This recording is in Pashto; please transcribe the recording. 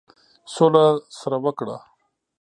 سوله سره وکړه.